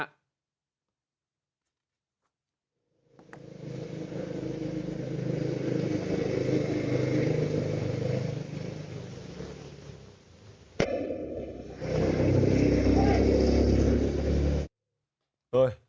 เฮ้ย